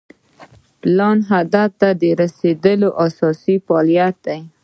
پلان هدف ته د رسیدو اساسي فعالیت دی.